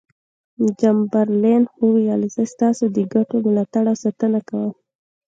چمبرلاین وویل زه ستاسو د ګټو ملاتړ او ساتنه کوم.